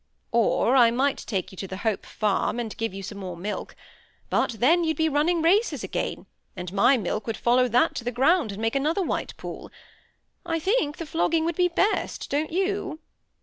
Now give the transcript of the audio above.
"Or I might take you to the Hope Farm, and give you some more milk; but then you'd be running races again, and my milk would follow that to the ground, and make another white pool. I think the flogging would be best—don't you?"